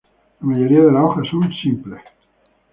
La mayoría de las hojas son simples.